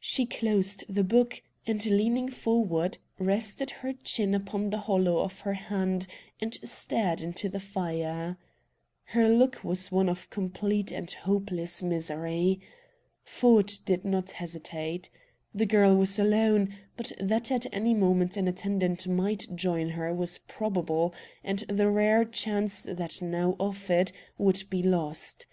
She closed the book, and, leaning forward, rested her chin upon the hollow of her hand and stared into the fire. Her look was one of complete and hopeless misery. Ford did not hesitate. The girl was alone, but that at any moment an attendant might join her was probable, and the rare chance that now offered would be lost.